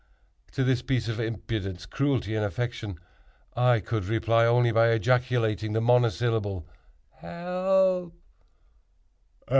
To this piece of impudence, cruelty and affectation, I could reply only by ejaculating the monosyllable "Help!"